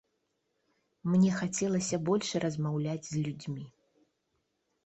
Мне хацелася больш размаўляць з людзьмі.